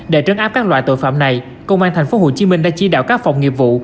để trấn áp các loại tội phạm này công an tp hcm đã chỉ đạo các phòng nghiệp vụ